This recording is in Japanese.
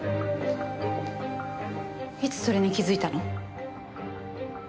いつそれに気づいたの？